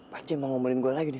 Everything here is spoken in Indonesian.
pak c mau ngomelin gue lagi deh